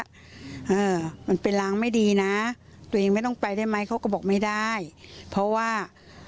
อ่ามันเป็นรางไม่ดีนะตัวเองไม่ต้องไปได้ไหมเขาก็บอกไม่ได้เพราะว่า